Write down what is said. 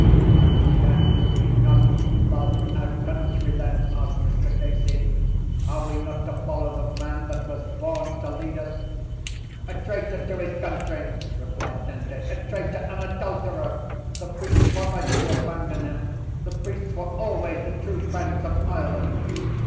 _ —And can we not love our country then? asked Mr Casey. Are we not to follow the man that was born to lead us? —A traitor to his country! replied Dante. A traitor, an adulterer! The priests were right to abandon him. The priests were always the true friends of Ireland.